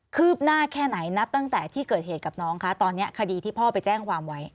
ืบหน้าแค่ไหนนับตั้งแต่ที่เกิดเหตุกับน้องคะตอนนี้คดีที่พ่อไปแจ้งความไว้